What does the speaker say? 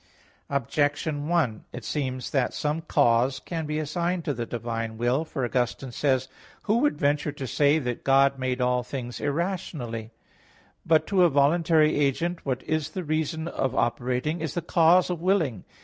Objection 1: It seems that some cause can be assigned to the divine will. For Augustine says (Qq. lxxxiii, 46): "Who would venture to say that God made all things irrationally?" But to a voluntary agent, what is the reason of operating, is the cause of willing.